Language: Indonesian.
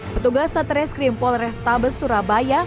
petugas satreskrim polrestabes surabaya